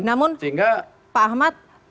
namun pak ahmad